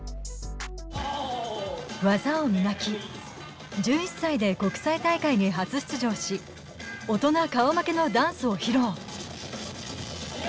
技を磨き、１１歳で国際大会に初出場し、大人顔負けのダンスを披露。